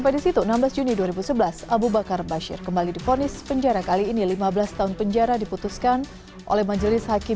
pada tahun dua ribu tiga abu bakar basir mendekam di penjara